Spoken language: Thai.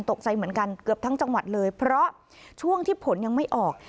ตกใจเหมือนกันเกือบทั้งจังหวัดเลยเพราะช่วงที่ผลยังไม่ออก